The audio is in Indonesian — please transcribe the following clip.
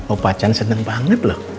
opacan seneng banget loh